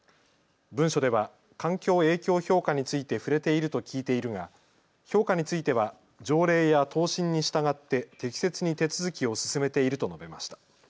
文書では環境影響評価について触れていると聞いているが評価については条例や答申に従って適切に手続きを進めていると述べました。